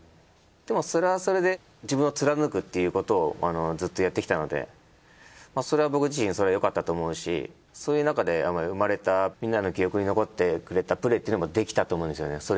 でもそれはそれで自分を貫くっていうことをずっとやってきたのでそれは僕自身それはよかったと思うしそういうなかで生まれたみんなの記憶に残ってくれたプレーっていうのもできたと思うんですよね